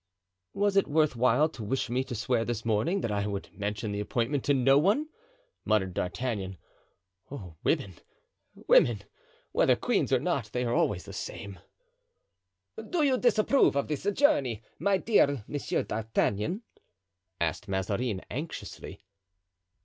"Was it worth while to wish me to swear this morning that I would mention the appointment to no one?" muttered D'Artagnan. "Oh, women! women! whether queens or not, they are always the same." "Do you disapprove of this journey, my dear M. d'Artagnan?" asked Mazarin, anxiously.